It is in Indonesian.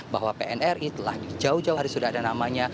bahwa pnri telah jauh jauh hari sudah ada namanya